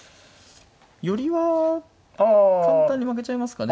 寄りは簡単に負けちゃいますかね。